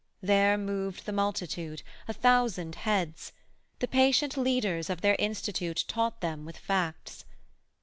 There moved the multitude, a thousand heads: The patient leaders of their Institute Taught them with facts.